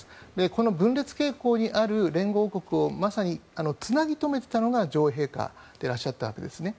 この分裂傾向にある連合王国をまさにつなぎ留めていたのが女王陛下でいらっしゃったんですね。